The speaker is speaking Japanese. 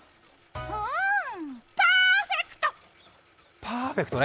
うーん、パーフェクト！